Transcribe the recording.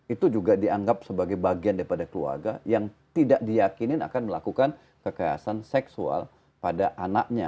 itu juga dianggap sebagai bagian daripada keluarga yang tidak diyakinin akan melakukan kekerasan seksual pada anaknya